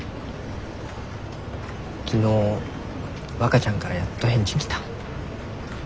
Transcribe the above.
昨日わかちゃんからやっと返事来た。